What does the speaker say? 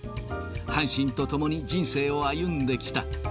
阪神と共に人生を歩んできた。